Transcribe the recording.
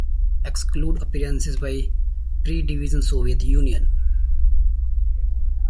Excludes appearances by pre-division Soviet Union.